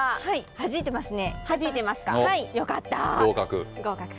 はじいてますね。